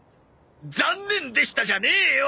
残念でしたじゃねえよ！